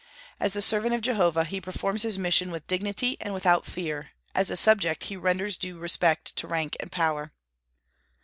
As the servant of Jehovah, he performs his mission with dignity and without fear; as a subject, he renders due respect to rank and power.